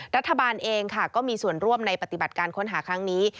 รัฐบาลเองค่ะก็มีส่วนร่วมในปฏิบัติการค้นหาครั้งนี้